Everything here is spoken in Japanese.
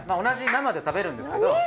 同じ生で食べるんですけど。